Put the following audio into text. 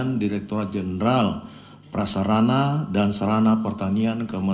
tiga mh direktur pertanian republik indonesia